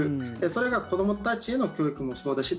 それが子どもたちへの教育もそうですし。